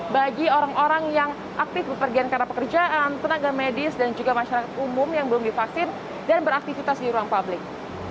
bagi orang orang yang aktif berpergian karena pekerjaan tenaga medis dan juga masyarakat umum yang belum divaksin dan beraktivitas di ruang publik